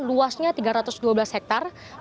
luasnya tiga ratus dua belas hektare